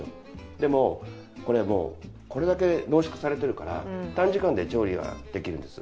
でもこれもうこれだけ濃縮されてるから短時間で調理ができるんです。